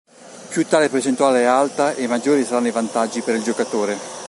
Più tale percentuale è alta e maggiori saranno i vantaggi per il giocatore.